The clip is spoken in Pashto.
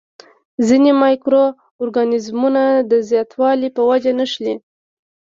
ځینې مایکرو ارګانیزمونه د زیاتوالي په وجه نښلي.